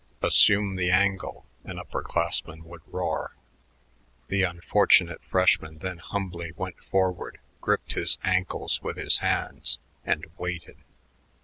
"Assume the angle," an upper classman would roar. The unfortunate freshman then humbly bent forward, gripped his ankles with his hands and waited.